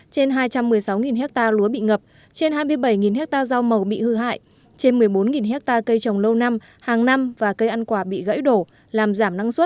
trên hai trăm một mươi sáu ha lúa bị ngập trên hai mươi bảy hectare rau màu bị hư hại trên một mươi bốn hectare cây trồng lâu năm hàng năm và cây ăn quả bị gãy đổ làm giảm năng suất